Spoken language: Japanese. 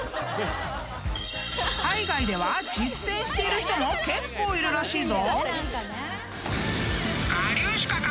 ［海外では実践している人も結構いるらしいぞ］